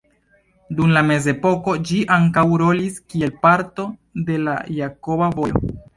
Dum la mezepoko ĝi ankaŭ rolis kiel parto de la Jakoba Vojo.